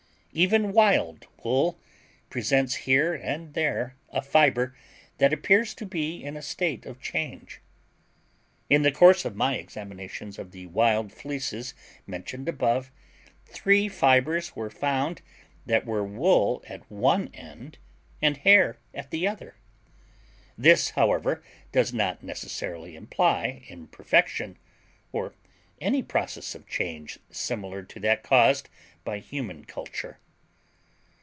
Even wild wool presents here and there a fiber that appears to be in a state of change. In the course of my examinations of the wild fleeces mentioned above, three fibers were found that were wool at one end and hair at the other. This, however, does not necessarily imply imperfection, or any process of change similar to that caused by human culture.